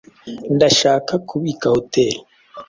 Ndashaka kubika hoteri.